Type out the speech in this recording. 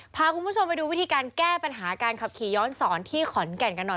พาคุณผู้ชมไปดูวิธีการแก้ปัญหาการขับขี่ย้อนสอนที่ขอนแก่นกันหน่อย